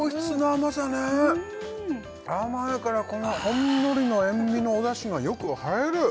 甘いからこのほんのりの塩味のお出汁がよく映える！